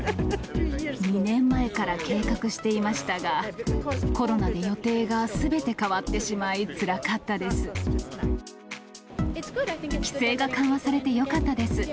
２年前から計画していましたが、コロナで予定がすべて変わってし規制が緩和されてよかったです。